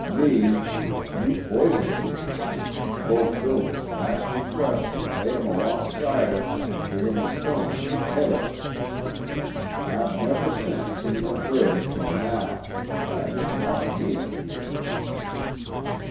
—me who w'en you poisoned the beast fulfilled 'is last request to lay 'im alongside 'er and give 'im a stone to the head of 'im! And I've never since seen 'er grave till now, for I didn't want to meet 'im here."